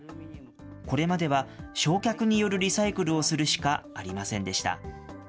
これまでは焼却によるリサイクルをするしかありませんでした。